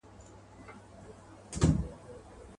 په ډکي هدیرې دي نن سبا په کرنتین کي.